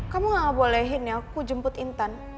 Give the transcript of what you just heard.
kamu gak bolehin ya aku jemput intan